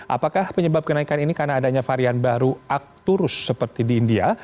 apakah penyebab kenaikan ini karena adanya varian baru akturus seperti di india